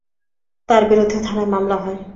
তাঁর বিরুদ্ধে থানায় মামলা হয়।